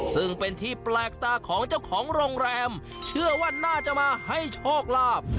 ซึ่งเป็นที่แปลกตาของเจ้าของโรงแรมเชื่อว่าน่าจะมาให้โชคลาภ